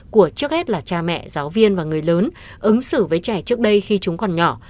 của trước hết là cha mẹ giáo viên và người lớn ứng xử với trẻ trước đây khi chúng còn nhỏ